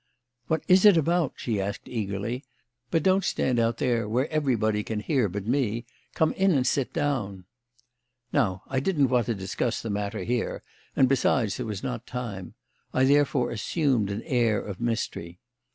"What is it about?" she asked eagerly. "But don't stand out there where everybody can hear but me. Come in and sit down." Now, I didn't want to discuss the matter here, and, besides, there was not time. I therefore assumed an air of mystery.